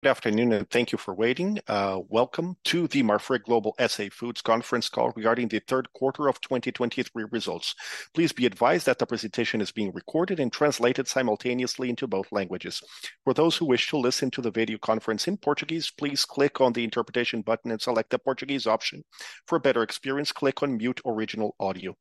Good afternoon, and thank you for waiting. Welcome to the Marfrig Global Foods S.A. Conference Call regarding the Third Quarter of 2023 Results. Please be advised that the presentation is being recorded and translated simultaneously into both languages. For those who wish to listen to the video conference in Portuguese, please click on the interpretation button and select the Portuguese option. For a better experience, click on mute original audio.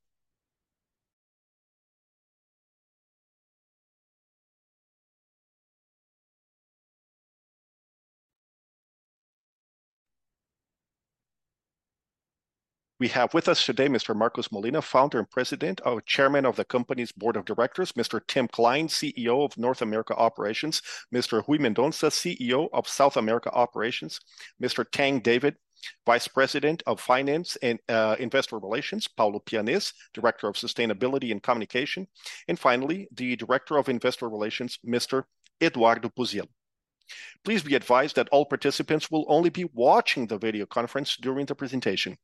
We have with us today Mr. Marcos Molina, Founder and President, our Chairman of the company's Board of Directors, Mr. Tim Klein, CEO of North America Operations, Mr. Rui Mendonça, CEO of South America Operations, Mr. Tang David, Vice President of Finance and Investor Relations, Paulo Pianez, Director of Sustainability and Communication, and finally, the Director of Investor Relations, Mr. Eduardo Puziello. Please be advised that all participants will only be watching the video conference during the presentation,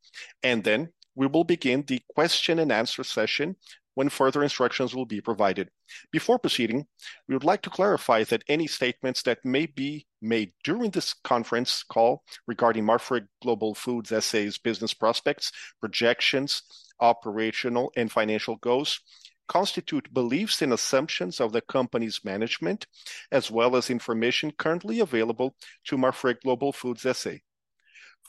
and then we will begin the question and answer session when further instructions will be provided. Before proceeding, we would like to clarify that any statements that may be made during this conference call regarding Marfrig Global Foods S.A.'s business prospects, projections, operational and financial goals, constitute beliefs and assumptions of the company's management, as well as information currently available to Marfrig Global Foods S.A.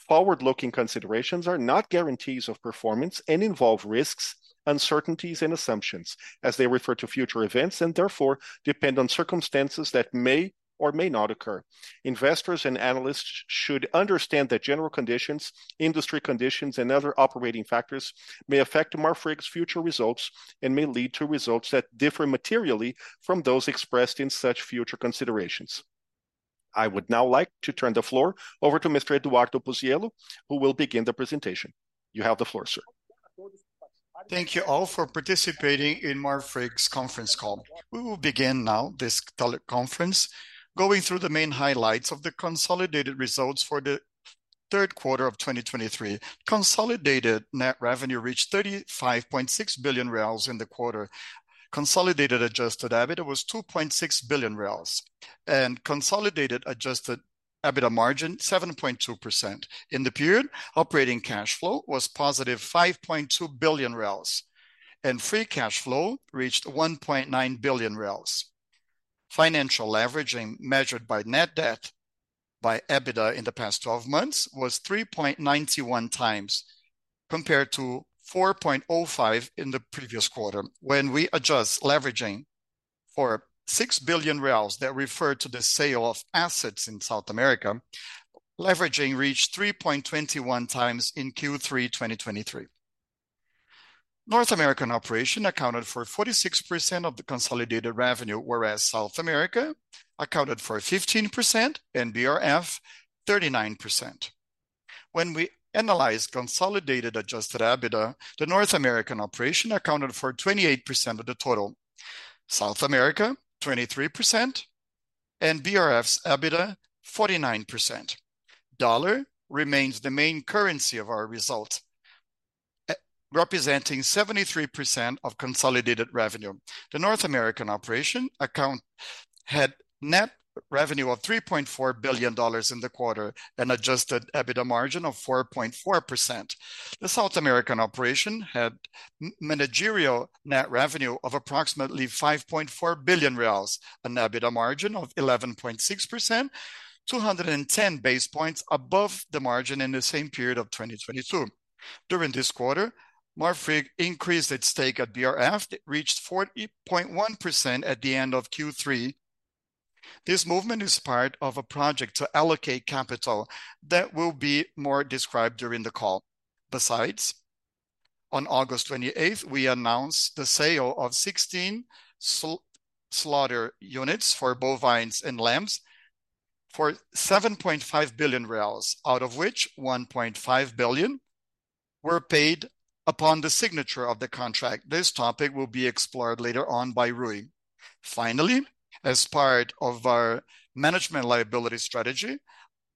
Forward-looking considerations are not guarantees of performance and involve risks, uncertainties, and assumptions as they refer to future events, and therefore depend on circumstances that may or may not occur. Investors and analysts should understand that general conditions, industry conditions, and other operating factors may affect Marfrig's future results and may lead to results that differ materially from those expressed in such future considerations. I would now like to turn the floor over to Mr. Eduardo Puzziello, who will begin the presentation. You have the floor, sir. Thank you all for participating in Marfrig's conference call. We will begin now this teleconference going through the main highlights of the consolidated results for the third quarter of 2023. Consolidated net revenue reached 35.6 billion reais in the quarter. Consolidated Adjusted EBITDA was 2.6 billion reais, and consolidated Adjusted EBITDA margin, 7.2%. In the period, operating cash flow was positive 5.2 billion, and free cash flow reached 1.9 billion. Financial leveraging, measured by net debt by EBITDA in the past twelve months, was 3.91x, compared to 4.05x in the previous quarter. When we adjust leveraging for 6 billion reais that refer to the sale of assets in South America, leveraging reached 3.21x in Q3 2023. North American operation accounted for 46% of the consolidated revenue, whereas South America accounted for 15% and BRF 39%. When we analyze consolidated Adjusted EBITDA, the North American operation accounted for 28% of the total, South America, 23%, and BRF's EBITDA, 49%. The dollar remains the main currency of our results, representing 73% of consolidated revenue. The North American operation had net revenue of $3.4 billion in the quarter, an Adjusted EBITDA margin of 4.4%. The South American operation had managerial net revenue of approximately 5.4 billion reais, an EBITDA margin of 11.6%, 210 base points above the margin in the same period of 2022. During this quarter, Marfrig increased its stake at BRF. It reached 40.1% at the end of Q3. This movement is part of a project to allocate capital that will be more described during the call. Besides, on August 28th, we announced the sale of 16 slaughter units for bovines and lambs for 7.5 billion reais, out of which 1.5 billion were paid upon the signature of the contract. This topic will be explored later on by Rui. Finally, as part of our management liability strategy,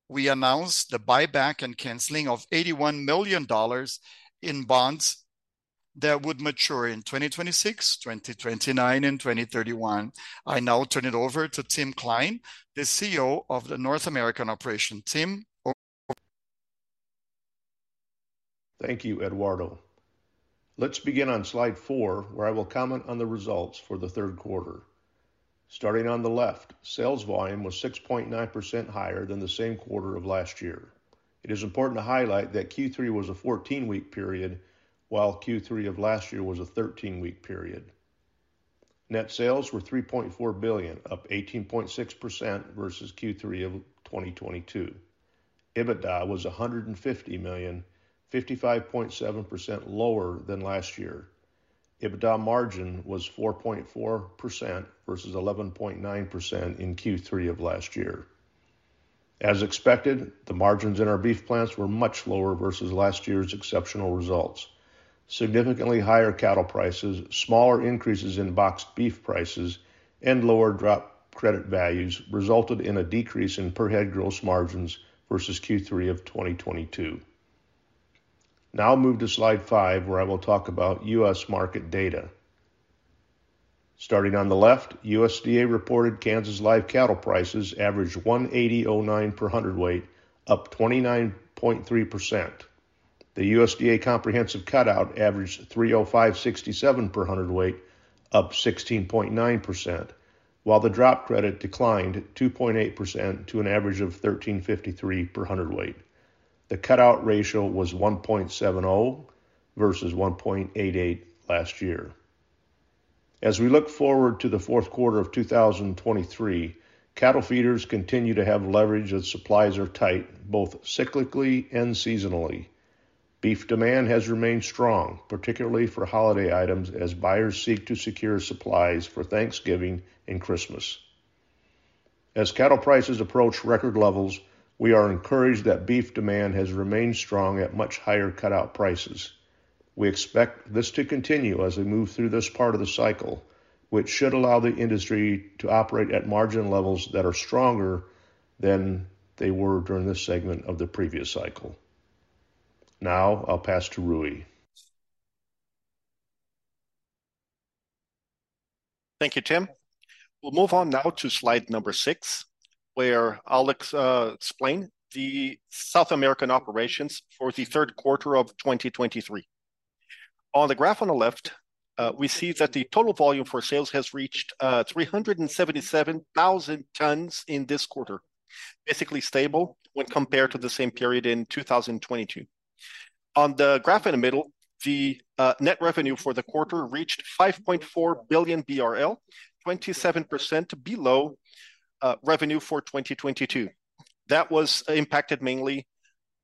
we announced the buyback and canceling of $81 million in bonds that would mature in 2026, 2029, and 2031. I now turn it over to Tim Klein, the CEO of the North American operation. Tim, over to you. Thank you, Eduardo. Let's begin on slide four, where I will comment on the results for the third quarter. Starting on the left, sales volume was 6.9% higher than the same quarter of last year. It is important to highlight that Q3 was a 14-week period, while Q3 of last year was a 13-week period. Net sales were 3.4 billion, up 18.6% versus Q3 of 2022. EBITDA was 150 million, 55.7% lower than last year. EBITDA margin was 4.4% versus 11.9% in Q3 of last year. As expected, the margins in our beef plants were much lower versus last year's exceptional results. Significantly higher cattle prices, smaller increases in boxed beef prices, and lower drop credit values resulted in a decrease in per head gross margins versus Q3 of 2022. Now move to slide five, where I will talk about U.S. market data. Starting on the left, USDA reported Kansas live cattle prices averaged $180.09 per cwt, up 29.3%. The USDA comprehensive cutout averaged $305.67 per cwt, up 16.9%, while the drop credit declined 2.8% to an average of $13.53 per cwt. The cutout ratio was 1.70, versus 1.88 last year. As we look forward to the fourth quarter of 2023, cattle feeders continue to have leverage as supplies are tight, both cyclically and seasonally. Beef demand has remained strong, particularly for holiday items, as buyers seek to secure supplies for Thanksgiving and Christmas. As cattle prices approach record levels, we are encouraged that beef demand has remained strong at much higher cutout prices. We expect this to continue as we move through this part of the cycle, which should allow the industry to operate at margin levels that are stronger than they were during this segment of the previous cycle. Now I'll pass to Rui. Thank you, Tim. We'll move on now to slide number six, where I'll explain the South American operations for the third quarter of 2023. On the graph on the left, we see that the total volume for sales has reached 377,000 tons in this quarter, basically stable when compared to the same period in 2022. On the graph in the middle, the net revenue for the quarter reached 5.4 billion BRL, 27% below revenue for 2022. That was impacted mainly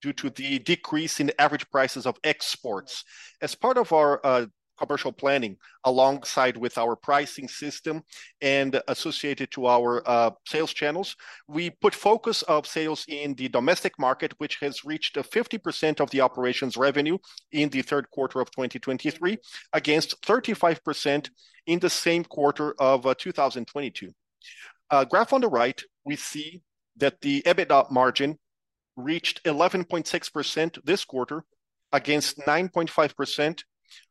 due to the decrease in the average prices of exports. As part of our commercial planning, alongside with our pricing system and associated to our sales channels, we put focus of sales in the domestic market, which has reached 50% of the operations revenue in the third quarter of 2023, against 35% in the same quarter of 2022. Graph on the right, we see that the EBITDA margin reached 11.6% this quarter, against 9.5%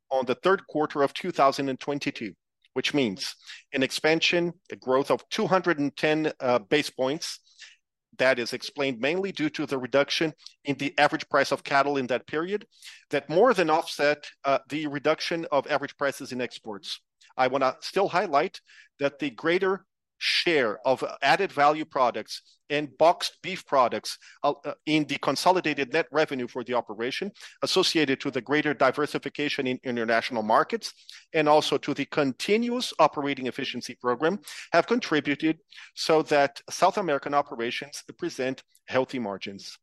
on the third quarter of 2022. Which means an expansion, a growth of 210 basis points. That is explained mainly due to the reduction in the average price of cattle in that period, that more than offset the reduction of average prices in exports. I want to still highlight that the greater share of added value products and boxed beef products in the consolidated net revenue for the operation associated to the greater diversification in international markets, and also to the continuous operating efficiency program, have contributed so that South American operations present healthy margins.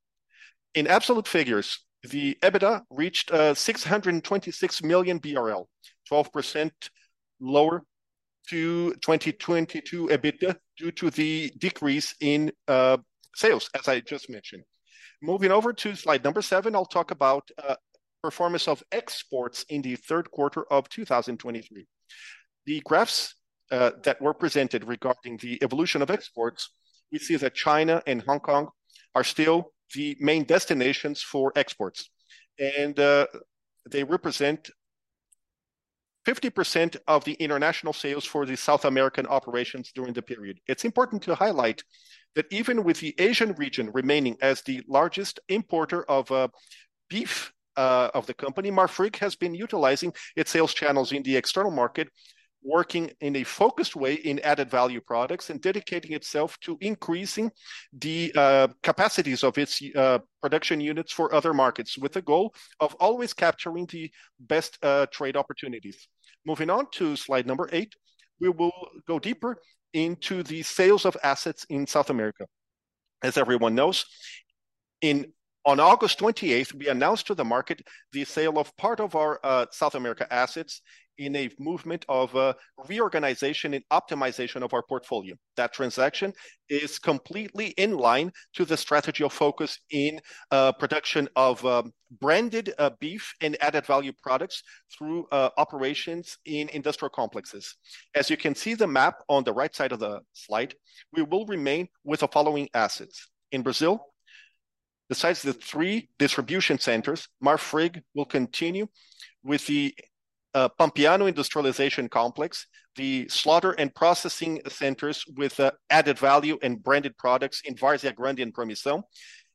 In absolute figures, the EBITDA reached 626 million BRL, 12% lower to 2022 EBITDA, due to the decrease in sales, as I just mentioned. Moving over to slide number seven, I'll talk about performance of exports in the third quarter of 2023. The graphs that were presented regarding the evolution of exports, we see that China and Hong Kong are still the main destinations for exports, and they represent 50% of the international sales for the South American operations during the period. It's important to highlight that even with the Asian region remaining as the largest importer of beef of the company, Marfrig has been utilizing its sales channels in the external market, working in a focused way in added-value products, and dedicating itself to increasing the capacities of its production units for other markets, with the goal of always capturing the best trade opportunities. Moving on to slide number eight, we will go deeper into the sales of assets in South America. As everyone knows, On August twenty-eighth, we announced to the market the sale of part of our South America assets in a movement of reorganization and optimization of our portfolio. That transaction is completely in line to the strategy or focus in production of branded beef and added-value products through operations in industrial complexes. As you can see the map on the right side of the slide, we will remain with the following assets. In Brazil, besides the three distribution centers, Marfrig will continue with the Pampeano Industrialization Complex, the slaughter and processing centers with added value and branded products in Várzea Grande and Promissão,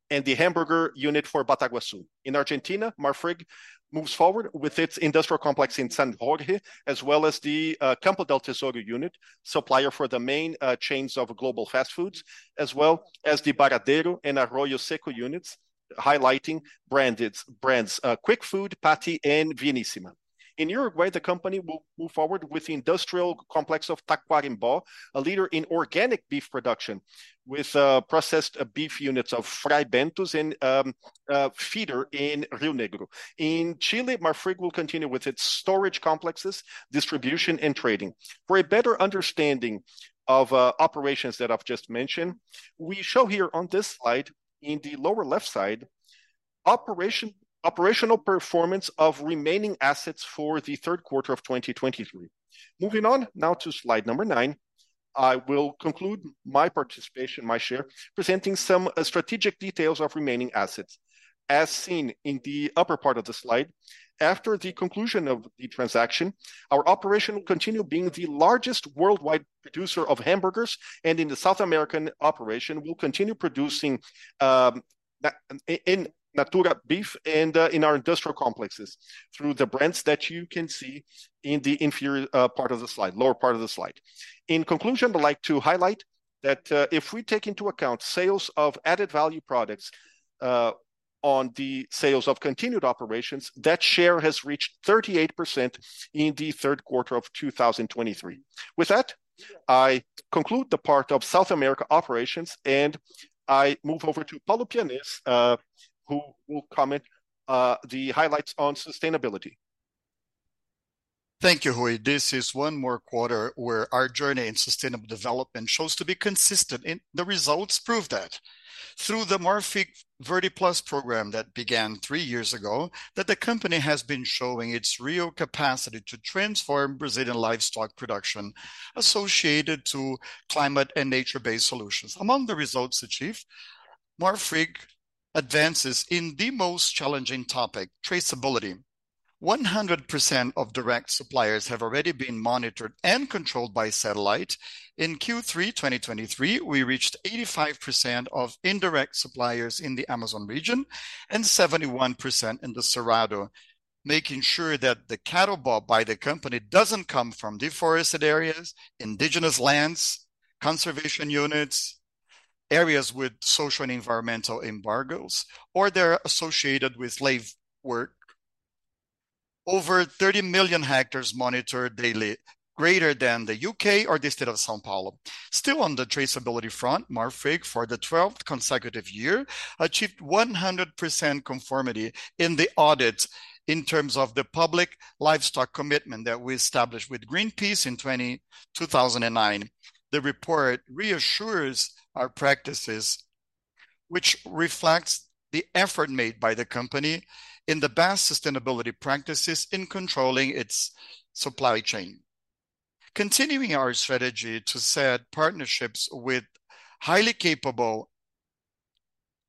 and the hamburger unit for Bataguassu. In Argentina, Marfrig moves forward with its industrial complex in San Jorge, as well as the Campo del Tesoro unit, supplier for the main chains of global fast foods, as well as the Baradero and Arroyo Seco units, highlighting branded brands Quickfood, Paty and Vieníssima. In Uruguay, the company will move forward with the industrial complex of Tacuarembó, a leader in organic beef production, with processed beef units of Fray Bentos and feeder in Rio Negro. In Chile, Marfrig will continue with its storage complexes, distribution, and trading. For a better understanding of operations that I've just mentioned, we show here on this slide, in the lower left side, operational performance of remaining assets for the third quarter of 2023. Moving on now to slide number nine. I will conclude my participation, my share, presenting some strategic details of remaining assets. As seen in the upper part of the slide, after the conclusion of the transaction, our operation will continue being the largest worldwide producer of hamburgers, and in the South American operation, we'll continue producing In Natura beef and in our industrial complexes, through the brands that you can see in the lower part of the slide. In conclusion, I'd like to highlight that, if we take into account sales of added-value products, on the sales of continued operations, that share has reached 38% in the third quarter of 2023. With that, I conclude the part of South America operations, and I move over to Paulo Pianez, who will comment, the highlights on sustainability. Thank you, Rui. This is one more quarter where our journey in sustainable development shows to be consistent, and the results prove that. Through the Marfrig Verde+ program that began three years ago, that the company has been showing its real capacity to transform Brazilian livestock production associated to climate and nature-based solutions. Among the results achieved, Marfrig advances in the most challenging topic: traceability. 100% of direct suppliers have already been monitored and controlled by satellite. In Q3 2023, we reached 85% of indirect suppliers in the Amazon region, and 71% in the Cerrado, making sure that the cattle bought by the company doesn't come from deforested areas, indigenous lands, conservation units, areas with social and environmental embargoes, or they're associated with slave work. Over 30 million hectares monitored daily, greater than the U.K. or the state of São Paulo. Still, on the traceability front, Marfrig, for the 12th consecutive year, achieved 100% conformity in the audit in terms of the public livestock commitment that we established with Greenpeace in 2009. The report reassures our practices, which reflects the effort made by the company in the best sustainability practices in controlling its supply chain. Continuing our strategy to set partnerships with highly capable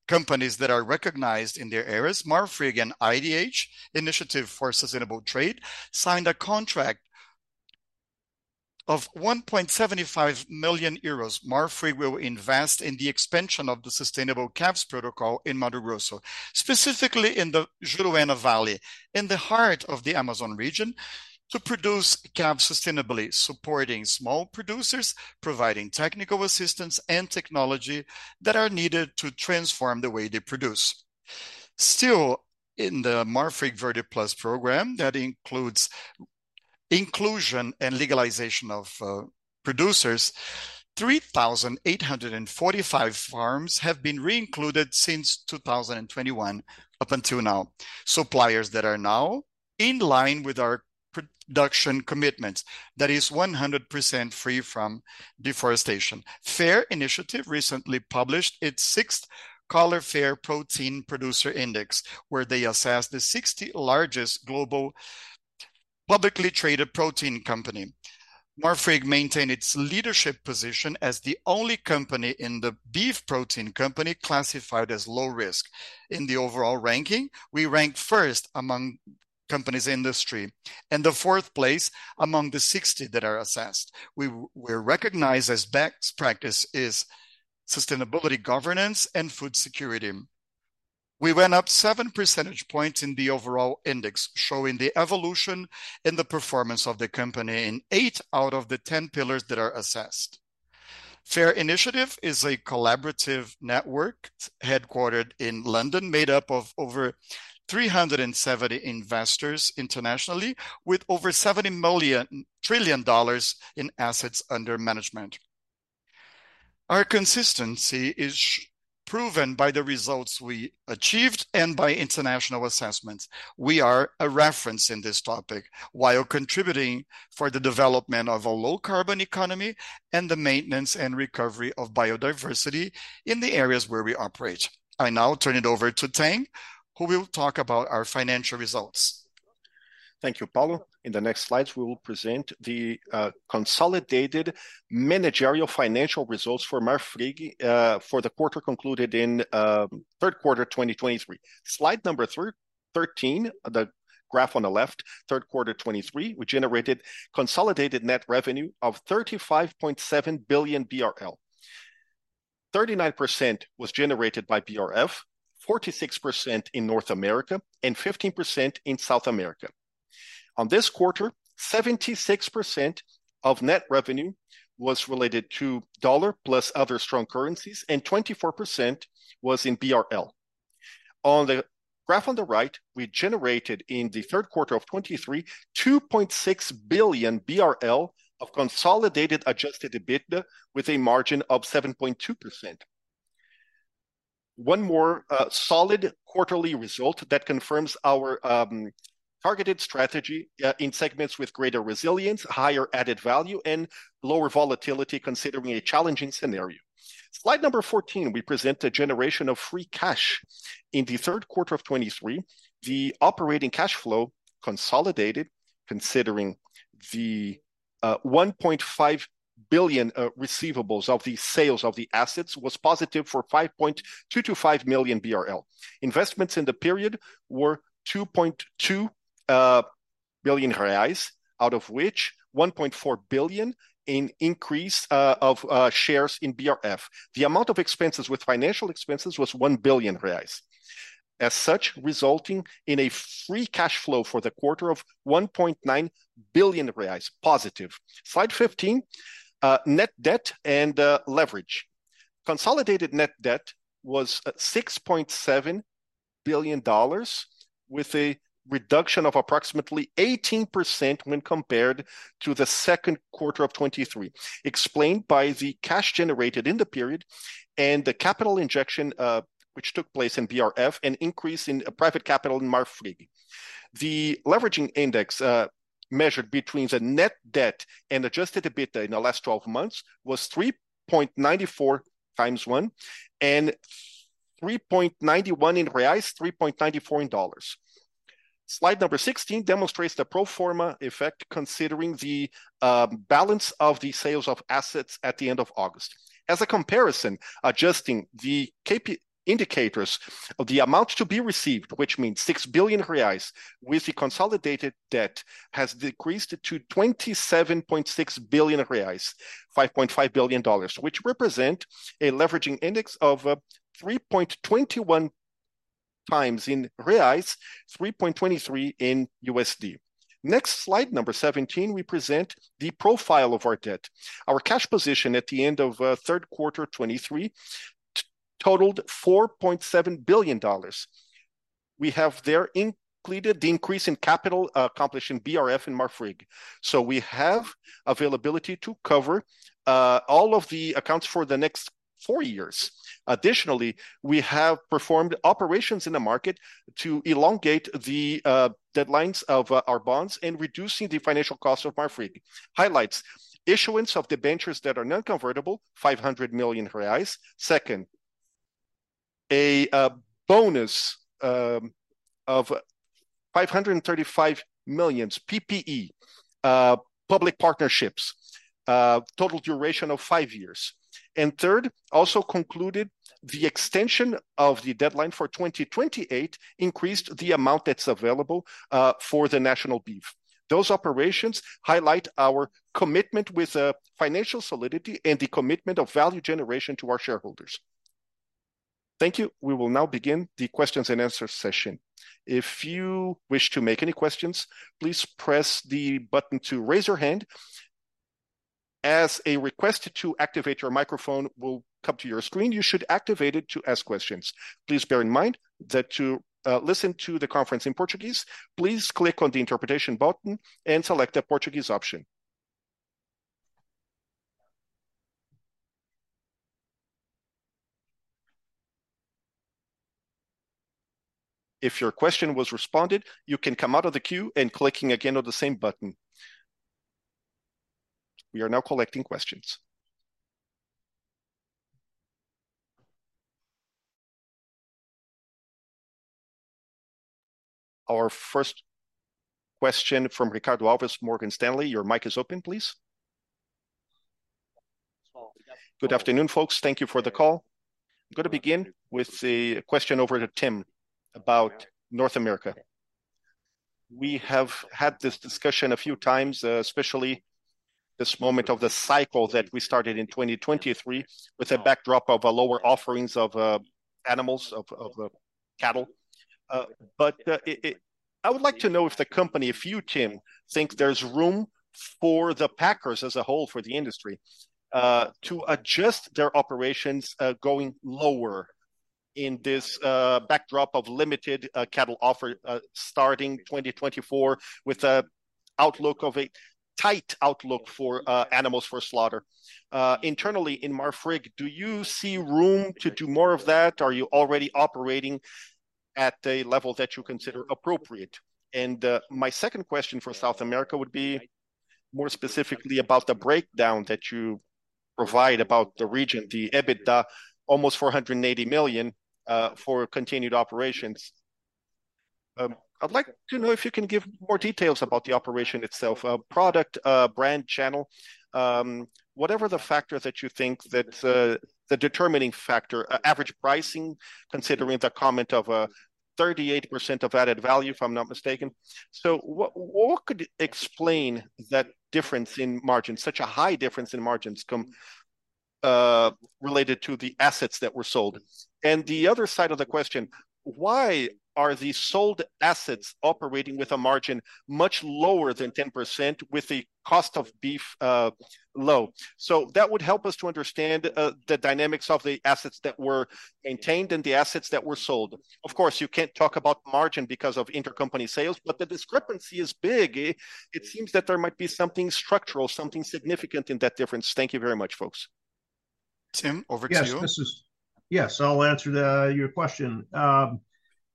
companies that are recognized in their areas, Marfrig and IDH, Initiative for Sustainable Trade, signed a contract of 1.75 million euros. Marfrig will invest in the expansion of the sustainable calves protocol in Mato Grosso, specifically in the Juruena Valley, in the heart of the Amazon region, to produce calves sustainably, supporting small producers, providing technical assistance and technology that are needed to transform the way they produce. Still, in the Marfrig Verde+ program, that includes inclusion and legalization of producers, 3,845 farms have been re-included since 2021 up until now. Suppliers that are now in line with our production commitments, that is 100% free from deforestation. FAIRR Initiative recently published its sixth Coller FAIRR Protein Producer Index, where they assessed the 60 largest global publicly traded protein company. Marfrig maintained its leadership position as the only company in the beef protein company classified as low risk. In the overall ranking, we ranked first among companies in the industry, and the fourth place among the 60 that are assessed. We were recognized as best practice is sustainability, governance, and food security. We went up 7 percentage points in the overall index, showing the evolution in the performance of the company in eight out of the 10 pillars that are assessed. FAIRR Initiative is a collaborative network headquartered in London, made up of over 370 investors internationally, with over $70 trillion in assets under management. Our consistency is shown by the results we achieved and by international assessments. We are a reference in this topic, while contributing for the development of a low-carbon economy and the maintenance and recovery of biodiversity in the areas where we operate. I now turn it over to Tang, who will talk about our financial results. Thank you, Paulo. In the next slides, we will present the consolidated managerial financial results for Marfrig for the quarter concluded in third quarter 2023. Slide number thirteen, the graph on the left, third quarter 2023, we generated consolidated net revenue of 35.7 billion BRL. 39% was generated by BRF, 46% in North America, and 15% in South America. On this quarter, 76% of net revenue was related to dollar, plus other strong currencies, and 24% was in BRL. On the graph on the right, we generated, in the third quarter of 2023, 2.6 billion BRL of consolidated Adjusted EBITDA, with a margin of 7.2%. One more solid quarterly result that confirms our targeted strategy in segments with greater resilience, higher added value, and lower volatility, considering a challenging scenario. Slide number 14, we present a generation of free cash. In the third quarter of 2023, the operating cash flow consolidated, considering the $1.5 billion receivables of the sales of the assets was positive for 5.225 million BRL. Investments in the period were 2.2 billion reais, out of which 1.4 billion in increase of shares in BRF. The amount of expenses with financial expenses was 1 billion reais, as such, resulting in a free cash flow for the quarter of 1.9 billion reais, positive. Slide 15, net debt and leverage. Consolidated net debt was $6.7 billion, with a reduction of approximately 18% when compared to the second quarter of 2023, explained by the cash generated in the period and the capital injection, which took place in BRF, an increase in private capital in Marfrig. The leveraging index, measured between the net debt and Adjusted EBITDA in the last 12 months, was 3.94x one, and 3.91x in reais, 3.94x in dollars. Slide number 16 demonstrates the pro forma effect, considering the balance of the sales of assets at the end of August. As a comparison, adjusting the KP indicators of the amount to be received, which means 6 billion reais, with the consolidated debt, has decreased to 27.6 billion reais, $5.5 billion, which represent a leveraging index of 3.21x in reais, 3.23x in USD. Next slide, number 17, we present the profile of our debt. Our cash position at the end of third quarter 2023 totaled $4.7 billion. We have there included the increase in capital accomplished in BRF and Marfrig. So we have availability to cover all of the accounts for the next four years. Additionally, we have performed operations in the market to elongate the deadlines of our bonds and reducing the financial costs of Marfrig. Highlights: issuance of debentures that are non-convertible, 500 million reais. Second, a bonus of BRL 535 million, PPP, public partnerships, total duration of five years. And third, also concluded the extension of the deadline for 2028 increased the amount that's available for the National Beef. Those operations highlight our commitment with financial solidity and the commitment of value generation to our shareholders. Thank you. We will now begin the questions-and-answer session. If you wish to make any questions, please press the button to raise your hand. As a request to activate your microphone will come to your screen, you should activate it to ask questions. Please bear in mind that to listen to the conference in Portuguese, please click on the interpretation button and select the Portuguese option. If your question was responded, you can come out of the queue and clicking again on the same button. We are now collecting questions. Our first question from Ricardo Alves, Morgan Stanley. Your mic is open, please. So- Good afternoon, folks. Thank you for the call. I'm gonna begin with the question over to Tim about North America. We have had this discussion a few times, especially this moment of the cycle that we started in 2023, with a backdrop of a lower offerings of animals, of the cattle. But I would like to know if the company, if you, Tim, think there's room for the packers as a whole, for the industry, to adjust their operations, going lower in this backdrop of limited cattle offer, starting 2024, with a outlook of a tight outlook for animals for slaughter. Internally, in Marfrig, do you see room to do more of that? Are you already operating at a level that you consider appropriate? My second question for South America would be more specifically about the breakdown that you provide about the region, the EBITDA, almost 480 million, for continued operations. I'd like to know if you can give more details about the operation itself, product, brand, channel, whatever the factor that you think that, the determining factor, average pricing, considering the comment of 38% of added value, if I'm not mistaken. So what, what could explain that difference in margins, such a high difference in margins compared to the assets that were sold? And the other side of the question: why are the sold assets operating with a margin much lower than 10%, with the cost of beef low? So that would help us to understand the dynamics of the assets that were maintained and the assets that were sold. Of course, you can't talk about margin because of intercompany sales, but the discrepancy is big. It seems that there might be something structural, something significant in that difference. Thank you very much, folks. Tim, over to you. Yes, this is... Yes, I'll answer your question.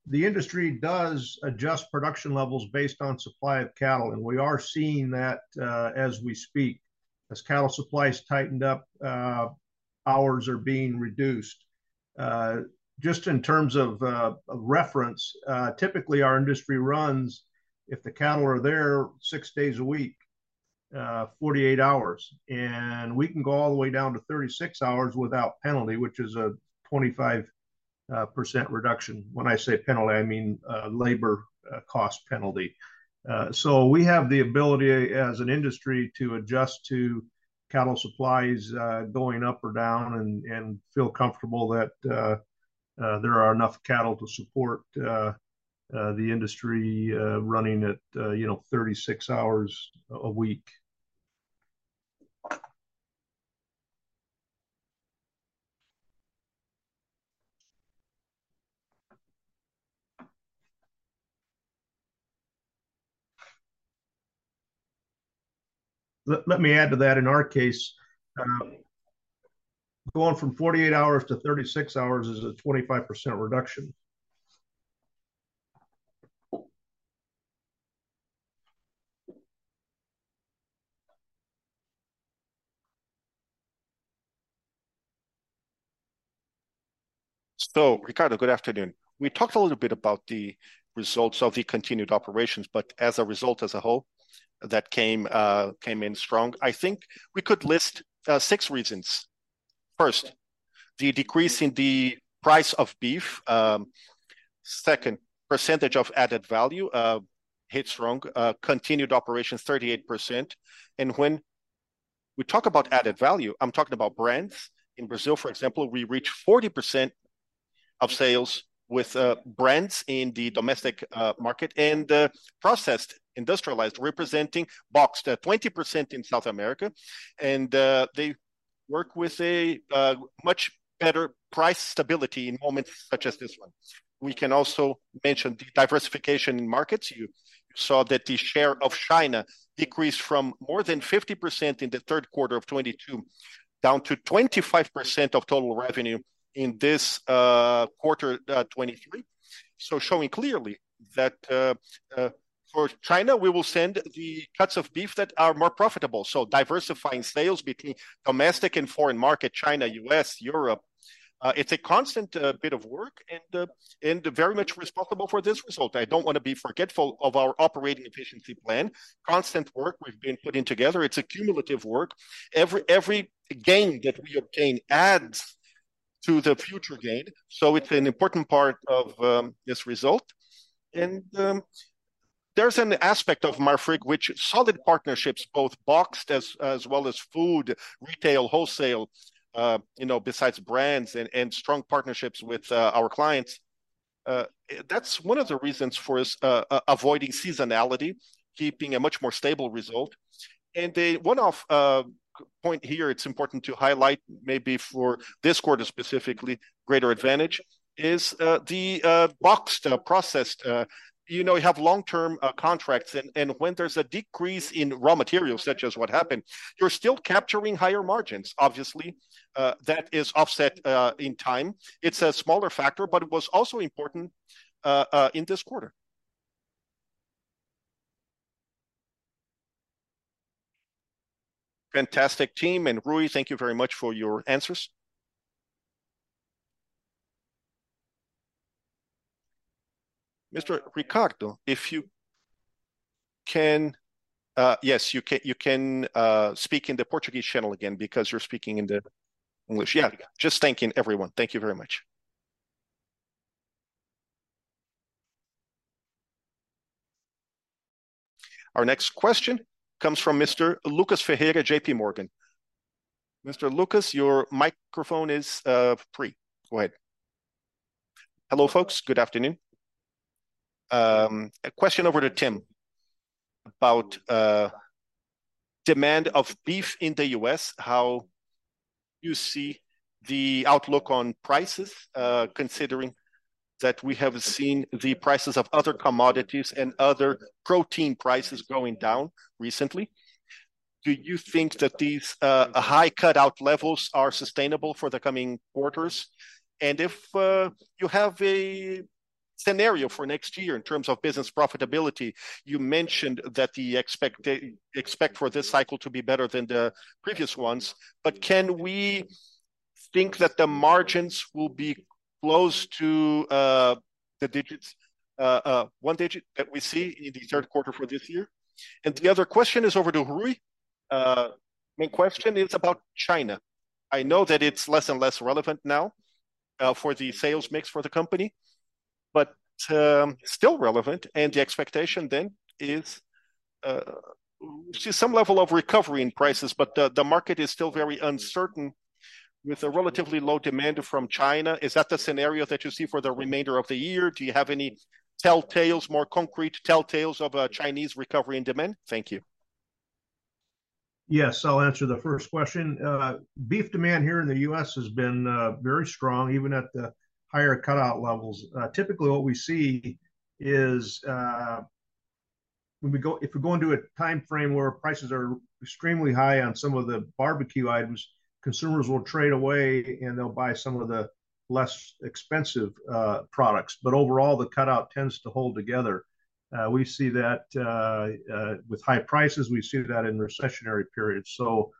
The industry does adjust production levels based on supply of cattle, and we are seeing that as we speak. As cattle supplies tightened up, hours are being reduced. Just in terms of reference, typically our industry runs, if the cattle are there six days a week, 48 hours, and we can go all the way down to 36 hours without penalty, which is a 25% reduction. When I say penalty, I mean labor cost penalty. So we have the ability as an industry to adjust to cattle supplies going up or down and feel comfortable that there are enough cattle to support the industry running at, you know, 36 hours a week. Let me add to that. In our case, going from 48 hours to 36 hours is a 25% reduction. So, Ricardo, good afternoon. We talked a little bit about the results of the continued operations, but as a result, as a whole, that came, came in strong. I think we could list, six reasons. First, the decrease in the price of beef. Second, percentage of added value, hit strong, continued operations 38%. And when we talk about added value, I'm talking about brands. In Brazil, for example, we reached 40% of sales with, brands in the domestic, market, and, processed, industrialized, representing boxed, 20% in South America. And, they work with a, much better price stability in moments such as this one. We can also mention the diversification in markets. You saw that the share of China decreased from more than 50% in the third quarter of 2022, down to 25% of total revenue in this quarter of 2023. So showing clearly that for China, we will send the cuts of beef that are more profitable. So diversifying sales between domestic and foreign market, China, U.S., Europe, it's a constant bit of work and very much responsible for this result. I don't want to be forgetful of our operating efficiency plan. Constant work we've been putting together, it's a cumulative work. Every gain that we obtain adds to the future gain, so it's an important part of this result. And, there's an aspect of Marfrig with solid partnerships, both boxed beef as well as food, retail, wholesale, you know, besides brands and strong partnerships with our clients. That's one of the reasons for us avoiding seasonality, keeping a much more stable result. And a one-off point here, it's important to highlight maybe for this quarter specifically, greater advantage is the boxed beef process. You know, you have long-term contracts, and when there's a decrease in raw materials, such as what happened, you're still capturing higher margins. Obviously, that is offset in time. It's a smaller factor, but it was also important in this quarter. Fantastic, team, and Rui, thank you very much for your answers. Mr. Ricardo, if you can... Yes, you can speak in the Portuguese channel again, because you're speaking in the English. Yeah, just thanking everyone. Thank you very much. Our next question comes from Mr. Lucas Ferreira, JPMorgan. Mr. Lucas, your microphone is free. Go ahead. Hello, folks. Good afternoon. A question over to Tim about demand of beef in the U.S., how you see the outlook on prices, considering that we have seen the prices of other commodities and other protein prices going down recently? Do you think that these high cutout levels are sustainable for the coming quarters? And if you have a scenario for next year in terms of business profitability, you mentioned that the expect for this cycle to be better than the previous ones. But can we think that the margins will be close to the digits, one digit that we see in the third quarter for this year? And the other question is over to Rui. My question is about China. I know that it's less and less relevant now for the sales mix for the company, but still relevant, and the expectation then is we see some level of recovery in prices, but the market is still very uncertain, with a relatively low demand from China. Is that the scenario that you see for the remainder of the year? Do you have any telltales, more concrete telltales of a Chinese recovery in demand? Thank you. Yes, I'll answer the first question. Beef demand here in the U.S. has been very strong, even at the higher cutout levels. Typically, what we see is, If we go into a timeframe where prices are extremely high on some of the barbecue items, consumers will trade away, and they'll buy some of the less expensive products. But overall, the cutout tends to hold together. We see that with high prices, we see that in recessionary periods. So,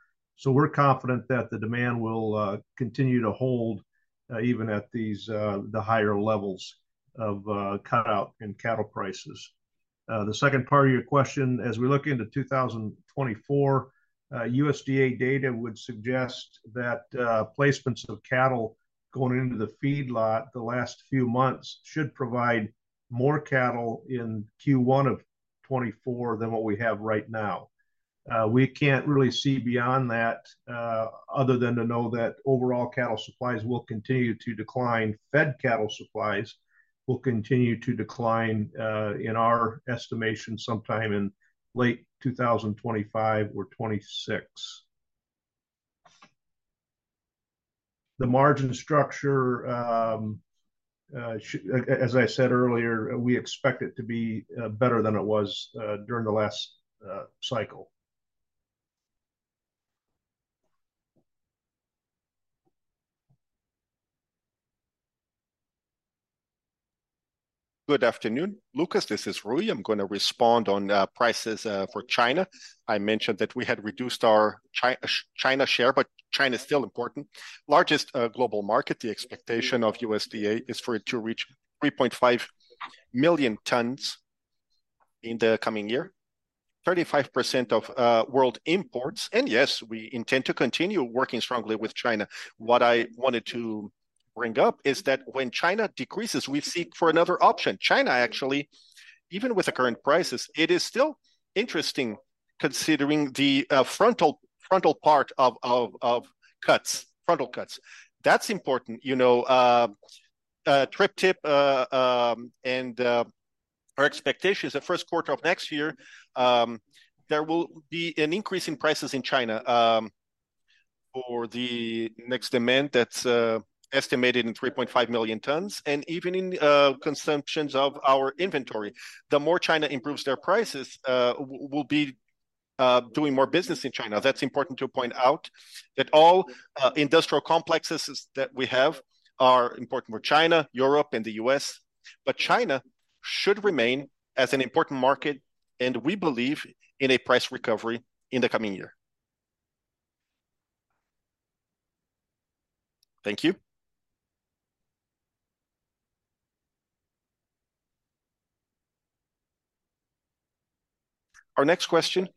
we're confident that the demand will continue to hold, even at these higher levels of cutout in cattle prices. The second part of your question, as we look into 2024, USDA data would suggest that, placements of cattle going into the feedlot the last few months should provide more cattle in Q1 of 2024 than what we have right now. We can't really see beyond that, other than to know that overall cattle supplies will continue to decline. Fed cattle supplies will continue to decline, in our estimation, sometime in late 2025 or 2026. The margin structure, as I said earlier, we expect it to be, better than it was, during the last cycle. Good afternoon, Lucas. This is Rui. I'm going to respond on prices for China. I mentioned that we had reduced our China share, but China is still important. Largest global market, the expectation of USDA is for it to reach 3.5 million tons in the coming year. 35% of world imports, and yes, we intend to continue working strongly with China. What I wanted to bring up is that when China decreases, we seek for another option. China, actually, even with the current prices, it is still interesting, considering the frontal part of cuts, frontal cuts. That's important, you know, tri-tip, and our expectation is the first quarter of next year, there will be an increase in prices in China, for the next demand that's estimated in 3.5 million tons, and even in consumptions of our inventory. The more China improves their prices, we'll be doing more business in China. That's important to point out, that all industrial complexes that we have are important for China, Europe, and the U.S., but China should remain as an important market, and we believe in a price recovery in the coming year. Thank you. Our next question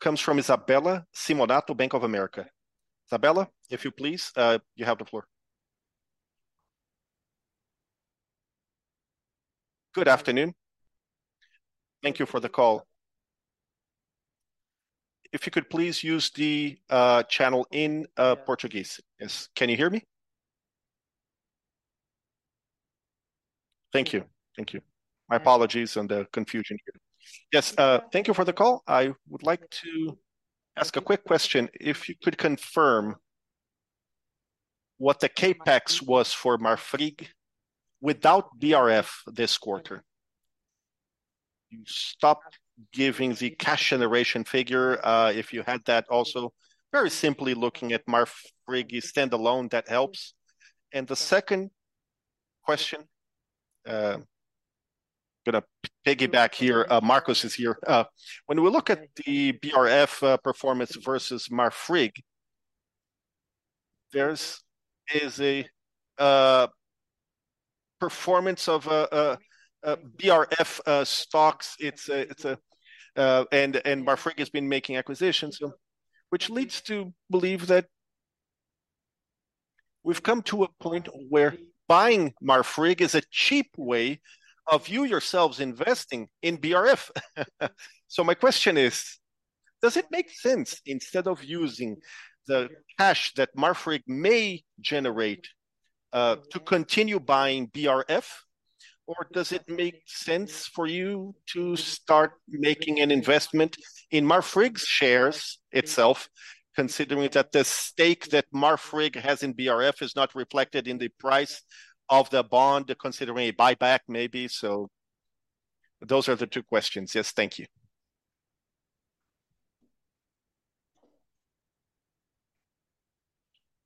comes from Isabella Simonato, Bank of America. Isabella, if you please, you have the floor. Good afternoon. Thank you for the call. If you could please use the channel in Portuguese. Yes. Can you hear me? Thank you. Thank you. My apologies on the confusion here. Yes, thank you for the call. I would like to ask a quick question. If you could confirm what the CapEx was for Marfrig without BRF this quarter? You stopped giving the cash generation figure, if you had that also. Very simply looking at Marfrig standalone, that helps. And the second question, I'm going to piggyback here, Marcos is here. When we look at the BRF performance versus Marfrig, there is a performance of BRF stocks. It's a, it's a... And Marfrig has been making acquisitions, which leads to believe that we've come to a point where buying Marfrig is a cheap way of you yourselves investing in BRF. So my question is: does it make sense, instead of using the cash that Marfrig may generate, to continue buying BRF? Or does it make sense for you to start making an investment in Marfrig's shares itself, considering that the stake that Marfrig has in BRF is not reflected in the price of the bond, considering a buyback, maybe? So those are the two questions. Yes, thank you.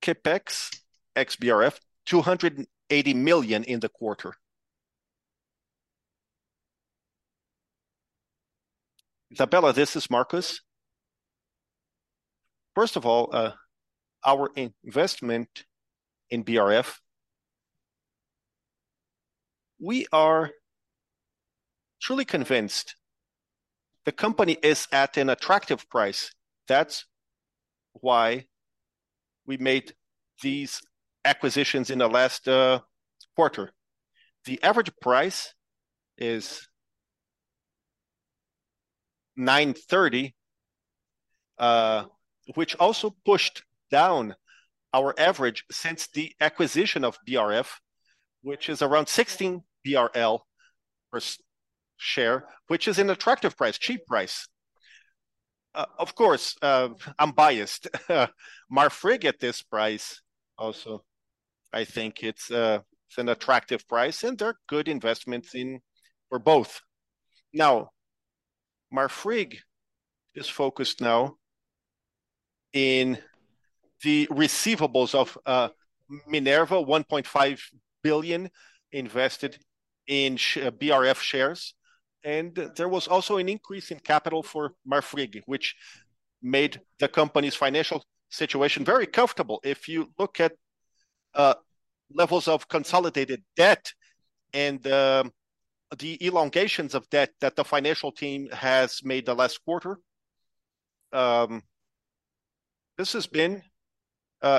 CapEx, ex-BRF, 280 million in the quarter. Isabella, this is Marcos. First of all, our investment in BRF, we are truly convinced the company is at an attractive price. That's why we made these acquisitions in the last quarter. The average price is 9.30, which also pushed down our average since the acquisition of BRF, which is around 16 BRL per share, which is an attractive price, cheap price. Of course, I'm biased. Marfrig at this price also, I think it's an attractive price, and they're good investments in for both. Now, Marfrig is focused in the receivables of Minerva, $1.5 billion invested in BRF shares, and there was also an increase in capital for Marfrig, which made the company's financial situation very comfortable. If you look at levels of consolidated debt and the elongations of debt that the financial team has made the last quarter, this has been,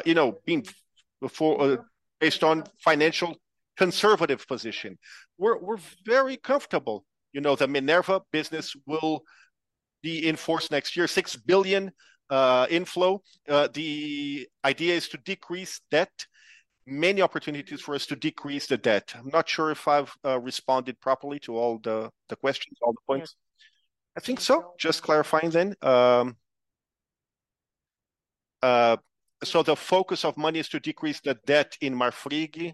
you know, been before, based on financial conservative position. We're very comfortable. You know, the Minerva business will be in force next year, 6 billion inflow. The idea is to decrease debt, many opportunities for us to decrease the debt. I'm not sure if I've responded properly to all the questions, all the points. Yes. I think so. Just clarifying then, so the focus of money is to decrease the debt in Marfrig,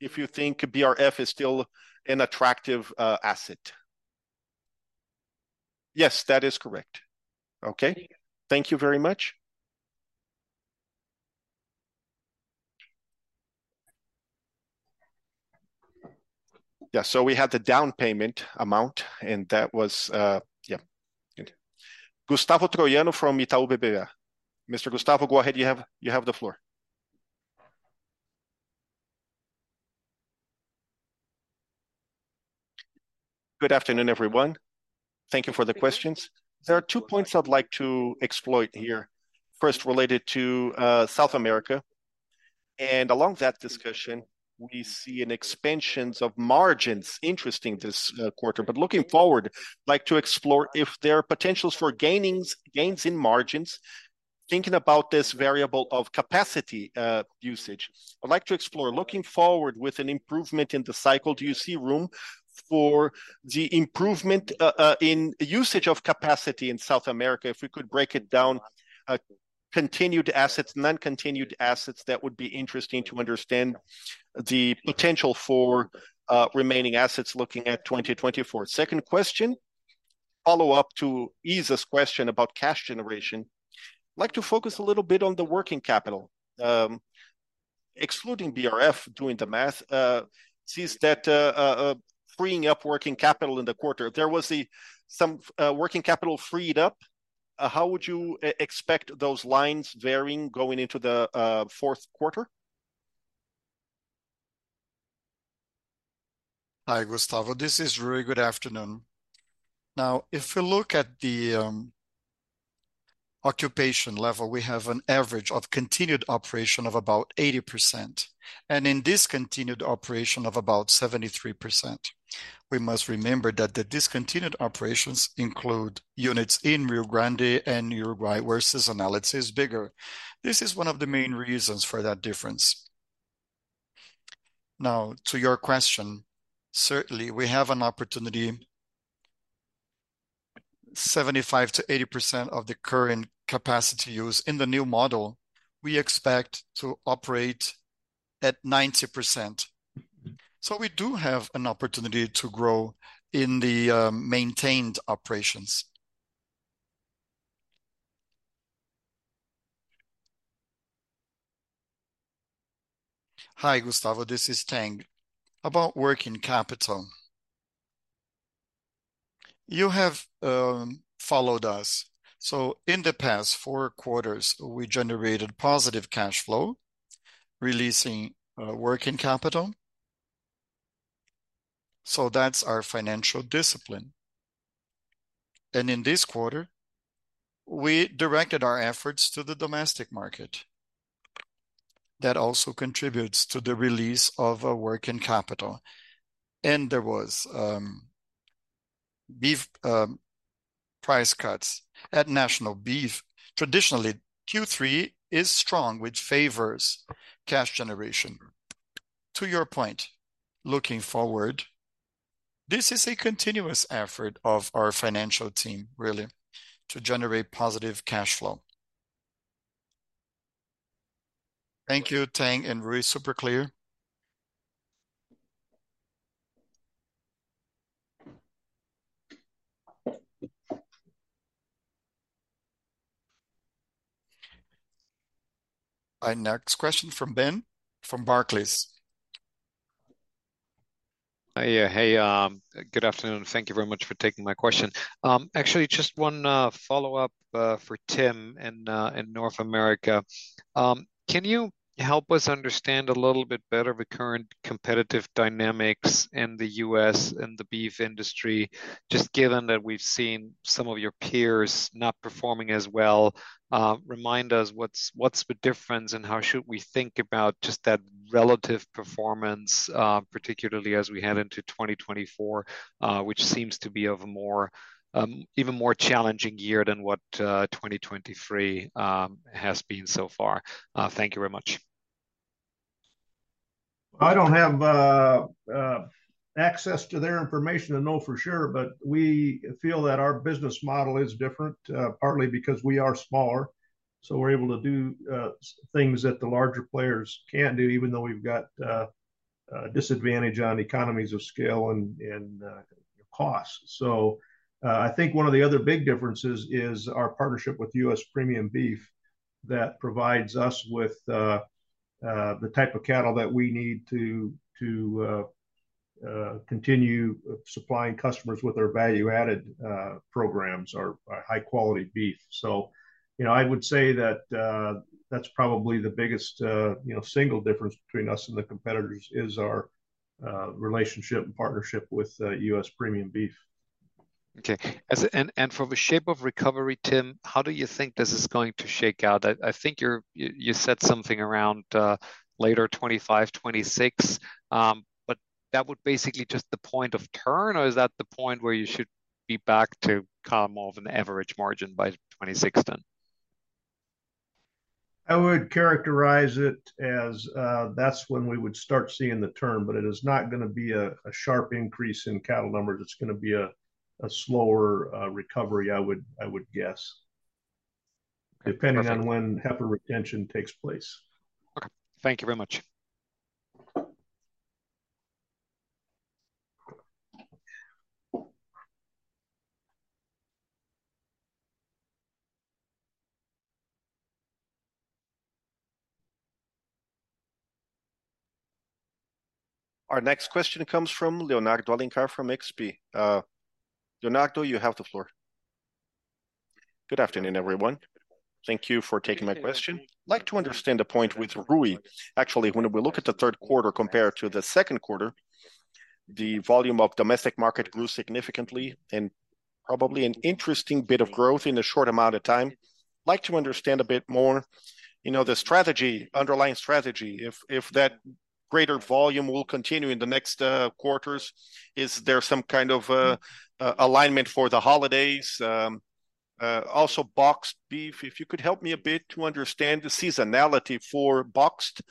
if you think BRF is still an attractive asset? Yes, that is correct. Okay. Thank you. Thank you very much. Yeah, so we had the down payment amount, and that was, Yeah. Good. Gustavo Troiano from Itaú BBA. Mr. Gustavo, go ahead. You have, you have the floor. Good afternoon, everyone. Thank you for the questions. There are two points I'd like to exploit here. First, related to, South America, and along that discussion, we see an expansions of margins, interesting this, quarter. But looking forward, I'd like to explore if there are potentials for gainings- gains in margins. Thinking about this variable of capacity, usage, I'd like to explore, looking forward with an improvement in the cycle, do you see room for the improvement, in usage of capacity in South America? If we could break it down, continued assets and then continued assets, that would be interesting to understand the potential for, remaining assets, looking at 2024. Second question, follow-up to Isa's question about cash generation. I'd like to focus a little bit on the working capital. Excluding BRF, doing the math, sees that, freeing up working capital in the quarter. There was some working capital freed up, how would you expect those lines varying going into the fourth quarter? Hi, Gustavo. This is Rui. Good afternoon. Now, if you look at the occupation level, we have an average of continued operation of about 80%, and in discontinued operation of about 73%. We must remember that the discontinued operations include units in Rio Grande and Uruguay, where seasonality is bigger. This is one of the main reasons for that difference. Now, to your question, certainly we have an opportunity, 75%-80% of the current capacity use. In the new model, we expect to operate at 90%. Mm-hmm. So we do have an opportunity to grow in the maintained operations. Hi, Gustavo, this is Tang. About working capital. You have followed us, so in the past four quarters, we generated positive cash flow, releasing working capital, so that's our financial discipline, and in this quarter, we directed our efforts to the domestic market. That also contributes to the release of our working capital, and there was beef price cuts at National Beef. Traditionally, Q3 is strong, which favors cash generation. To your point, looking forward, this is a continuous effort of our financial team, really, to generate positive cash flow. Thank you, Tang and Rui. Super clear. Our next question from Ben, from Barclays. Yeah. Hey, good afternoon, and thank you very much for taking my question. Actually, just one follow-up for Tim in North America. Can you help us understand a little bit better the current competitive dynamics in the U.S. and the beef industry? Just given that we've seen some of your peers not performing as well, remind us what's, what's the difference and how should we think about just that relative performance, particularly as we head into 2024, which seems to be of a more, even more challenging year than what 2023 has been so far. Thank you very much. I don't have access to their information to know for sure, but we feel that our business model is different, partly because we are smaller, so we're able to do things that the larger players can't do, even though we've got disadvantage on economies of scale and costs. So, I think one of the other big differences is our partnership with U.S. Premium Beef that provides us with the type of cattle that we need to continue supplying customers with our value-added programs, our high-quality beef. So, you know, I would say that that's probably the biggest, you know, single difference between us and the competitors, is our relationship and partnership with U.S. Premium Beef. Okay. As for the shape of recovery, Tim, how do you think this is going to shake out? I think you're, you said something around later 2025, 2026. But that would basically just the point of turn, or is that the point where you should be back to kind of more of an average margin by 2026 then? I would characterize it as, that's when we would start seeing the turn, but it is not gonna be a sharp increase in cattle numbers. It's gonna be a slower recovery, I would guess- Perfect. - depending on when heifer retention takes place. Okay. Thank you very much. Our next question comes from Leonardo Alencar from XP. Leonardo, you have the floor. Good afternoon, everyone. Thank you for taking my question. I'd like to understand the point with Rui. Actually, when we look at the third quarter compared to the second quarter, the volume of domestic market grew significantly, and probably an interesting bit of growth in a short amount of time. I'd like to understand a bit more, you know, the strategy, underlying strategy, if that greater volume will continue in the next quarters. Is there some kind of alignment for the holidays? Also boxed beef, if you could help me a bit to understand the seasonality for boxed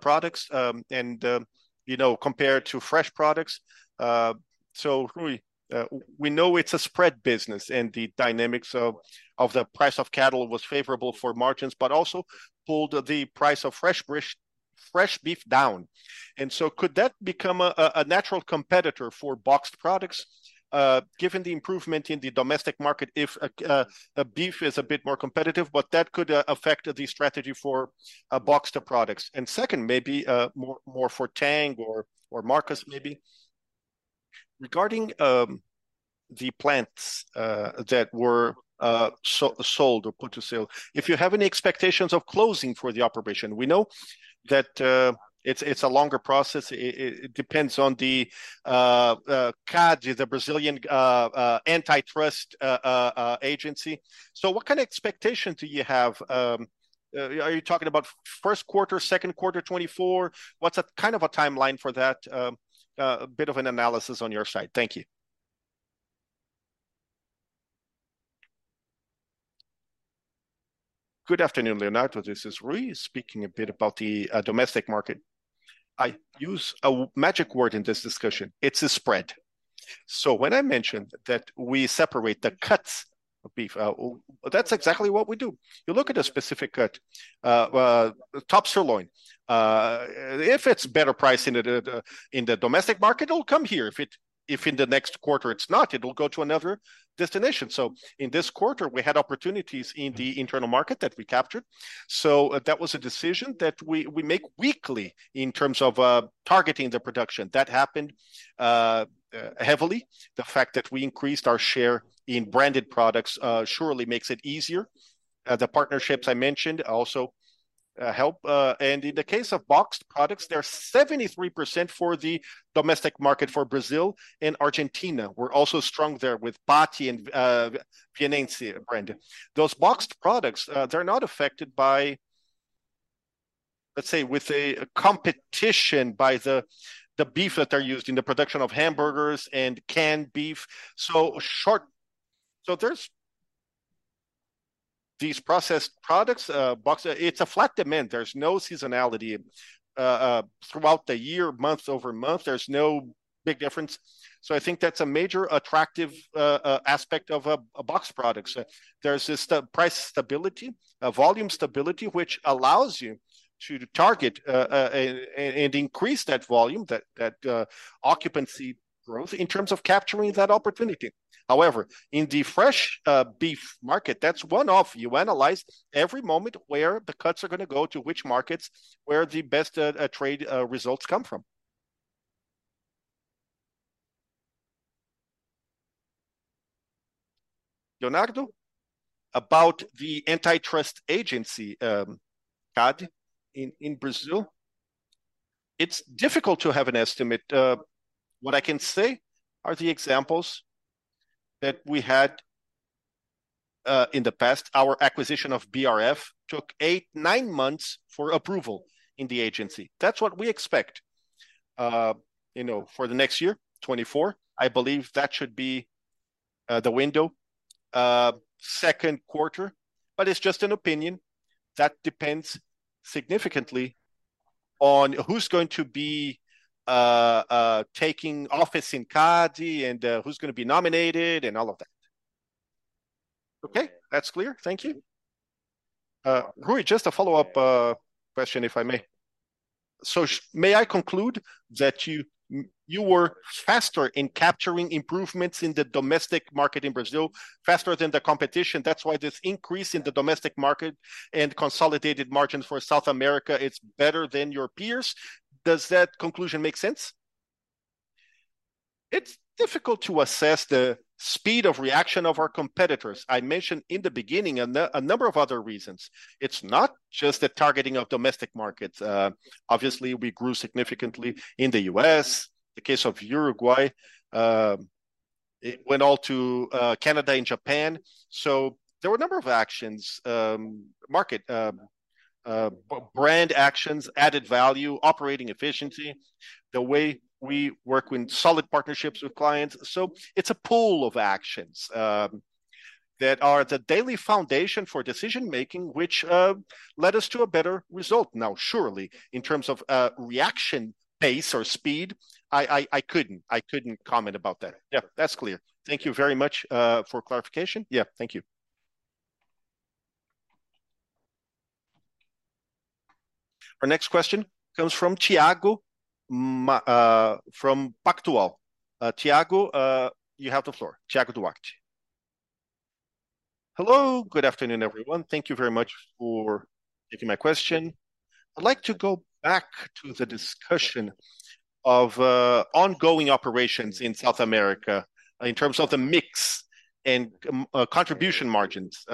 products, and you know, compared to fresh products. So Rui, we know it's a spread business, and the dynamics of the price of cattle was favorable for margins, but also pulled the price of fresh beef down. So could that become a natural competitor for boxed products, given the improvement in the domestic market, if beef is a bit more competitive, but that could affect the strategy for boxed products? And second, maybe more for Tang or Marcos maybe. Regarding the plants that were sold or put to sale, if you have any expectations of closing for the operation. We know that it's a longer process. It depends on the CADE, the Brazilian antitrust agency. So what kind of expectation do you have? Are you talking about first quarter, second quarter 2024? What's a kind of a timeline for that? A bit of an analysis on your side. Thank you. Good afternoon, Leonardo. This is Rui, speaking a bit about the domestic market. I use a magic word in this discussion: it's a spread. So when I mention that we separate the cuts of beef, well, that's exactly what we do. You look at a specific cut, top sirloin. If it's better price in the domestic market, it'll come here. If in the next quarter it's not, it will go to another destination. So in this quarter, we had opportunities in the internal market that we captured, so that was a decision that we make weekly in terms of targeting the production. That happened heavily. The fact that we increased our share in branded products, surely makes it easier. The partnerships I mentioned also help. And in the case of boxed products, they're 73% for the domestic market for Brazil and Argentina. We're also strong there with Paty and Vieníssima brand. Those boxed products, they're not affected by, let's say, with a competition by the, the beef that are used in the production of hamburgers and canned beef. There's these processed products. It's a flat demand. There's no seasonality. Throughout the year, month-over-month, there's no big difference, so I think that's a major attractive aspect of a boxed product. So there's this, price stability, volume stability, which allows you to target, and increase that volume, that, occupancy growth in terms of capturing that opportunity. However, in the fresh, beef market, that's one off. You analyze every moment where the cuts are gonna go, to which markets, where the best, trade, results come from. Leonardo, about the antitrust agency, CADE, in Brazil, it's difficult to have an estimate. What I can say are the examples that we had, in the past. Our acquisition of BRF took eight, nine months for approval in the agency. That's what we expect, you know, for the next year, 2024. I believe that should be, the window, second quarter, but it's just an opinion. That depends significantly on who's going to be taking office in CADE, and who's gonna be nominated, and all of that.... Okay, that's clear. Thank you. Rui, just a follow-up question, if I may. So may I conclude that you were faster in capturing improvements in the domestic market in Brazil, faster than the competition, that's why there's increase in the domestic market and consolidated margins for South America, it's better than your peers? Does that conclusion make sense? It's difficult to assess the speed of reaction of our competitors. I mentioned in the beginning a number of other reasons. It's not just the targeting of domestic markets. Obviously, we grew significantly in the U.S. The case of Uruguay, it went all to Canada and Japan. So there were a number of actions, market, brand actions, added value, operating efficiency, the way we work with solid partnerships with clients. So it's a pool of actions that are the daily foundation for decision-making, which led us to a better result. Now, surely in terms of reaction, pace, or speed, I couldn't comment about that. Yeah, that's clear. Thank you very much for clarification. Yeah, thank you. Our next question comes from Thiago from Pactual. Thiago, you have the floor. Thiago Duarte. Hello, good afternoon, everyone. Thank you very much for taking my question. I'd like to go back to the discussion of ongoing operations in South America in terms of the mix and contribution margins.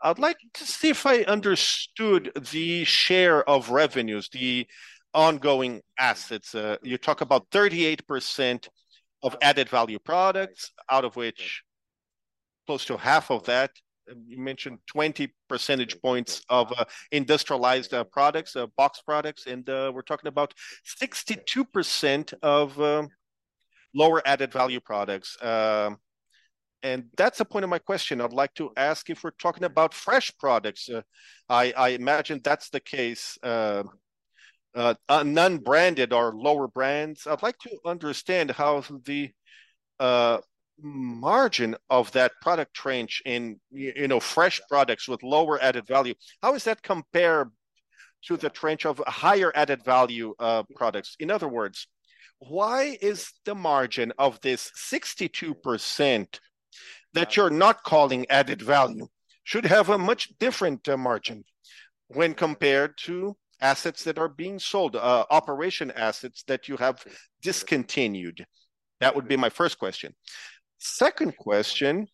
I'd like to see if I understood the share of revenues, the ongoing assets. You talk about 38% of added value products, out of which close to half of that, you mentioned 20 percentage points of industrialized products, box products, and we're talking about 62% of lower added value products. And that's the point of my question. I'd like to ask if we're talking about fresh products. I imagine that's the case. Non-branded or lower brands, I'd like to understand how the margin of that product range in, you know, fresh products with lower added value, how does that compare to the range of higher added value products? In other words, why is the margin of this 62%, that you're not calling added value, should have a much different margin when compared to assets that are being sold, operation assets that you have discontinued? That would be my first question. Second question,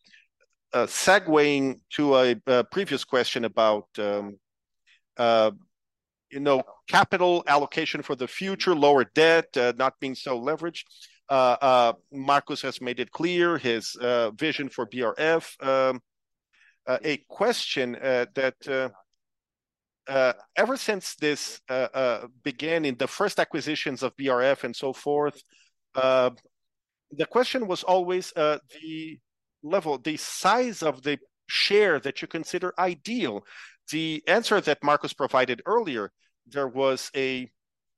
segueing to a previous question about, you know, capital allocation for the future, lower debt, not being so leveraged. Marcos has made it clear his vision for BRF. A question that ever since this began in the first acquisitions of BRF and so forth, the question was always the level, the size of the share that you consider ideal. The answer that Marcos provided earlier, there was a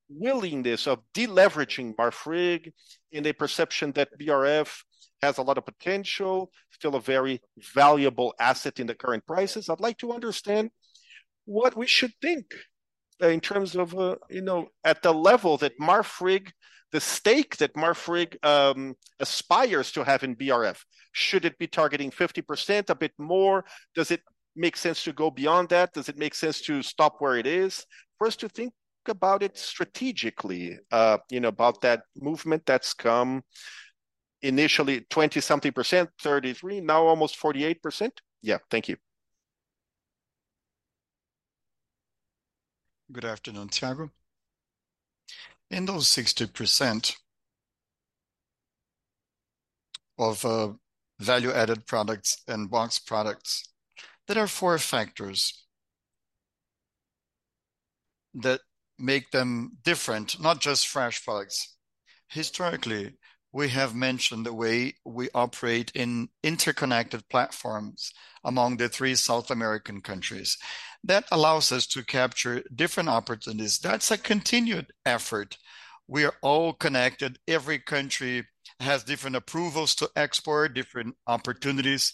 willingness of deleveraging Marfrig in the perception that BRF has a lot of potential, still a very valuable asset in the current prices. I'd like to understand what we should think in terms of, you know, at the level that Marfrig, the stake that Marfrig aspires to have in BRF. Should it be targeting 50%, a bit more? Does it make sense to go beyond that? Does it make sense to stop where it is? For us to think about it strategically, you know, about that movement that's come initially 20-something%, 33%, now almost 48%. Yeah. Thank you. Good afternoon, Thiago. In those 60% of value-added products and box products, there are four factors that make them different, not just fresh products. Historically, we have mentioned the way we operate in interconnected platforms among the three South American countries. That allows us to capture different opportunities. That's a continued effort. We are all connected. Every country has different approvals to export, different opportunities.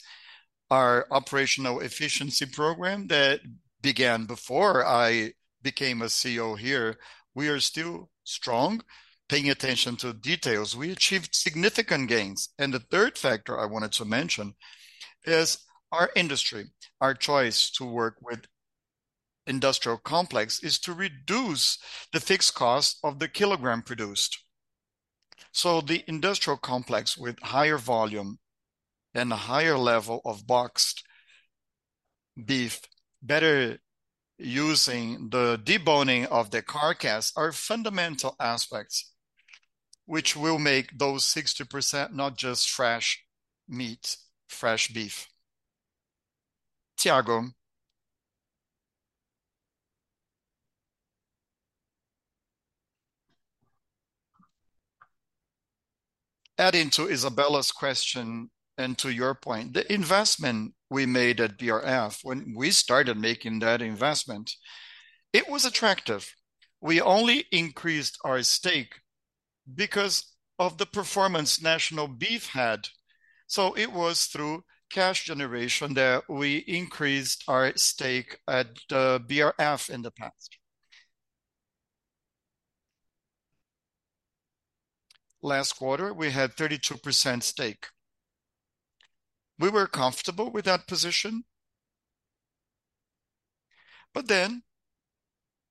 Our operational efficiency program that began before I became a CEO here, we are still strong, paying attention to details. We achieved significant gains. And the third factor I wanted to mention is our industry. Our choice to work with industrial complex is to reduce the fixed cost of the kilogram produced. So the industrial complex with higher volume and a higher level of boxed beef, better using the deboning of the carcass, are fundamental aspects which will make those 60% not just fresh meat, fresh beef. Thiago... Adding to Isabella's question, and to your point, the investment we made at BRF, when we started making that investment, it was attractive. We only increased our stake because of the performance National Beef had. So it was through cash generation that we increased our stake at BRF in the past. Last quarter, we had 32% stake. We were comfortable with that position, but then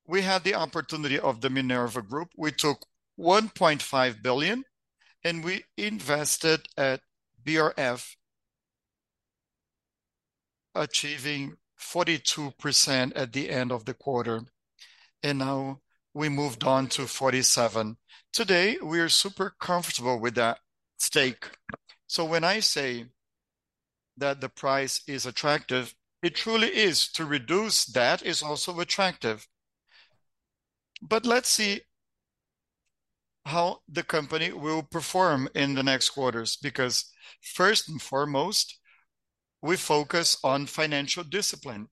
we had the opportunity of the Minerva Group. We took 1.5 billion, and we invested at BRF, achieving 42% at the end of the quarter, and now we moved on to 47%. Today, we are super comfortable with that stake. So when I say that the price is attractive, it truly is. To reduce that is also attractive. But let's see how the company will perform in the next quarters, because first and foremost, we focus on financial discipline.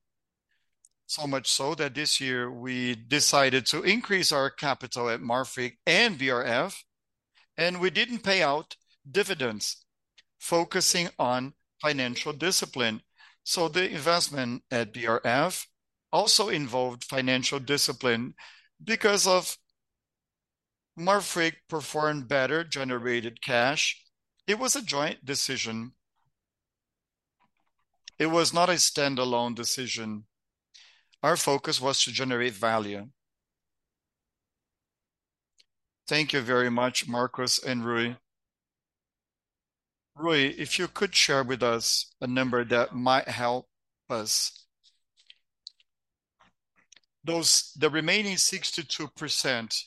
So much so that this year we decided to increase our capital at Marfrig and BRF, and we didn't pay out dividends, focusing on financial discipline. So the investment at BRF also involved financial discipline. Because Marfrig performed better, generated cash, it was a joint decision. It was not a standalone decision. Our focus was to generate value. Thank you very much, Marcos and Rui. Rui, if you could share with us a number that might help us. Those, the remaining 62%.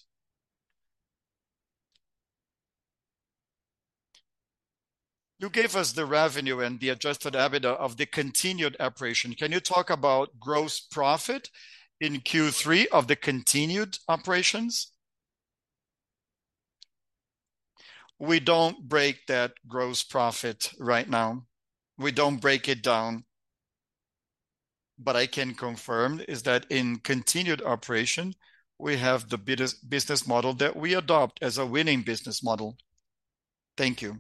You gave us the revenue and the Adjusted EBITDA of the continued operation. Can you talk about gross profit in Q3 of the continued operations? We don't break that gross profit right now. We don't break it down, but I can confirm is that in continued operation, we have the business model that we adopt as a winning business model. Thank you.